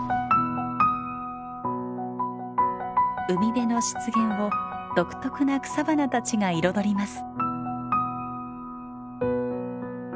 海辺の湿原を独特な草花たちが彩ります。